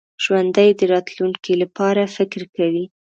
ژوندي د راتلونکي لپاره فکر کوي